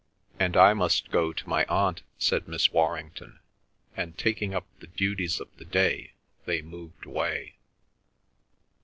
"And I must go to my aunt," said Miss Warrington, and taking up the duties of the day they moved away.